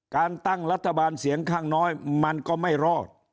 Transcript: การตั้งรัฐบาลเสียงข้างน้อยมันก็ไม่รอด